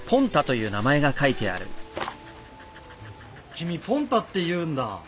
君ポンタっていうんだ。